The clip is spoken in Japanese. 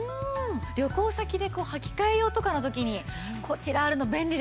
旅行先で履き替え用とかの時にこちらあるの便利ですよね。